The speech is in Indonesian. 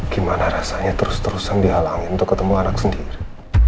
gimana rasanya terus terusan dihalangin untuk ketemu anak sendiri